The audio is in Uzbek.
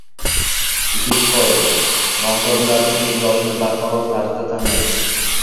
Ikkinchi qoida - nomzodlarning eng yoshini barqaror tarzda tanlash